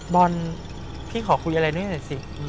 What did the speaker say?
บอลพี่ขอคุยอะไรนิดหน่อยสิ